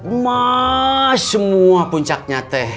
emaaaas semua puncaknya teh